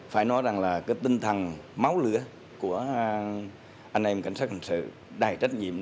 phải nói rằng là cái tinh thần máu lửa của anh em cảnh sát hình sự đầy trách nhiệm